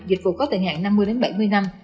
dịch vụ có tài nạn năm mươi bảy mươi năm